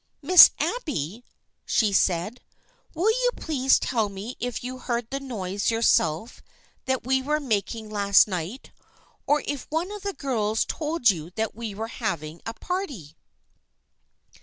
" Miss Abby," said she, " will you please tell me if you heard the noise yourself that we were mak ing last night, or if one of the girls told you that we were having a party